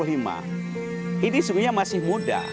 ini sebenarnya masih muda